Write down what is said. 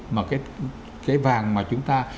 mà cái vàng mà chúng ta